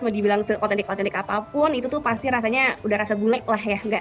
mau dibilang authentic authentic apapun itu tuh pasti rasanya udah rasa gulai lah ya